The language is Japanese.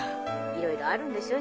いろいろあるんでしょ？